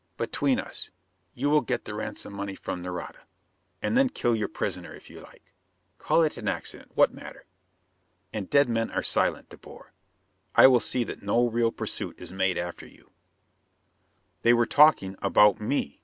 "Between us, you will get the ransom money from Nareda and then kill your prisoner if you like. Call it an accident; what matter? And dead men are silent men, De Boer. I will see that no real pursuit is made after you." They were talking about me!